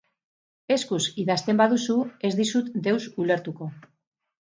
Eskuz idazten baduzu, ez dizut deus ulertuko.